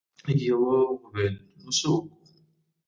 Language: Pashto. يوه وويل: نو څه وکو؟